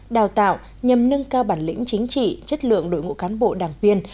đào tạo nhằm nâng cao bản lĩnh chính trị chất lượng đội ngũ cán bộ đảng viên